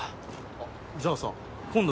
あっじゃあさ今度